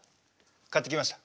買ってきました。